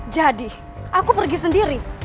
jadi aku pergi sendiri